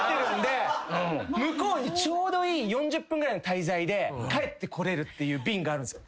向こうにちょうどいい４０分ぐらいの滞在で帰ってこれるって便があるんですよ。